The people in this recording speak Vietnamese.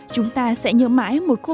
chúng ta sẽ nhớ mãi một bộ phim